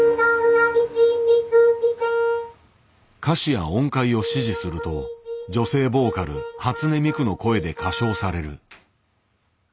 歌詞や音階を指示すると女性ボーカル初音ミクの声で歌唱される。